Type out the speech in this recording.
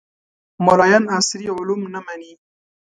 ملایان عصري علوم نه مني